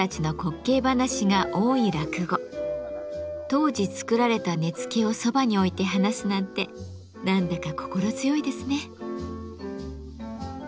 当時作られた根付をそばに置いて話すなんて何だか心強いですね。